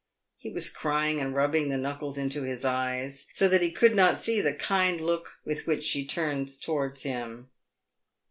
He was crying and rubbing the knuckles into his eyes, so that he could not see the kind look with which she turned towards him.